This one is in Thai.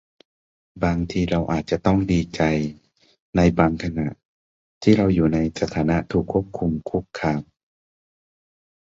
บางทีเราอาจจะต้องดีใจในบางขณะ ที่เราอยู่ในสถานะถูกควบคุมคุกคาม